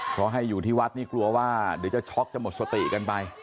เพราะให้อยู่ที่วัดนี่กลัวว่าเดี๋ยวจะช็อกจะหมดสติกันไป